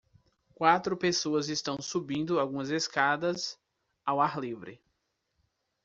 Quatro pessoas estão subindo algumas escadas ao ar livre.